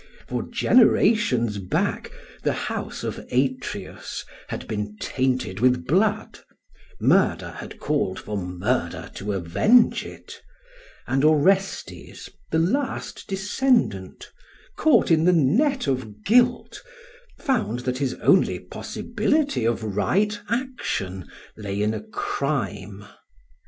For generations back the house of Atreus had been tainted with blood; murder had called for murder to avenge it; and Orestes, the last descendant, caught in the net of guilt, found that his only possibility of right action lay in a crime.